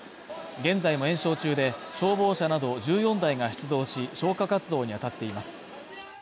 現在も延焼中で、消防車など１４台が出動し、消火活動にあたっています。